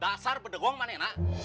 dasar berdegong manehna